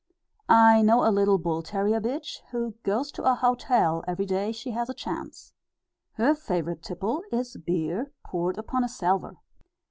I know a little bull terrier bitch, who goes to a hotel every day she has a chance. Her favourite tipple is beer poured upon a salver.